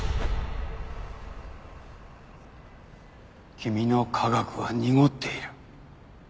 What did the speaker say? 君の科学は濁っている。